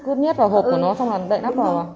cứ nhét vào hộp của nó xong là đậy nắp vào à